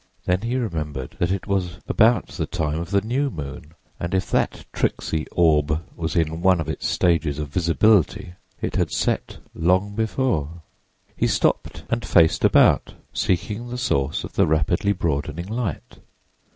Then he remembered that it was about the time of the new moon, and if that tricksy orb was in one of its stages of visibility it had set long before. He stopped and faced about, seeking the source of the rapidly broadening light.